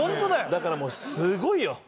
だからもうすごいよ。